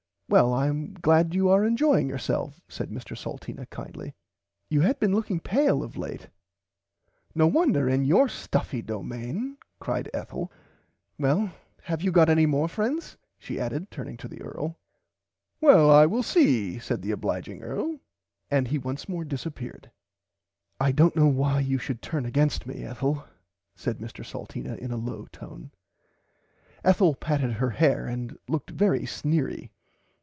Well I am glad you are enjoying yourself said Mr Salteena kindly you had been looking pale of late. [Pg 84] No wonder in your stuffy domain cried Ethel well have you got any more friends she added turning to the earl. Well I will see said the obliging earl and he once more disapeared. I dont know why you should turn against me Ethel said Mr Salteena in a low tone. Ethel patted her hair and looked very sneery.